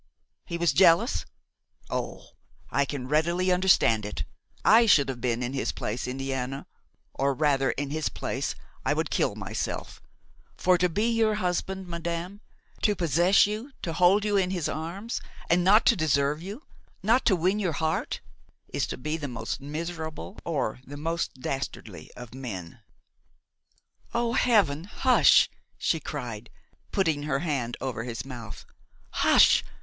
He was jealous? oh! I can readily understand it; I should have been, in his place, Indiana; or rather in his place, I would kill myself; for to be your husband, madame, to possess you, to hold you in his arms, and not to deserve you, not to win your heart, is to be the most miserable or the most dastardly of men!" "O heaven! hush," she cried, putting her hand over his mouth; "hush!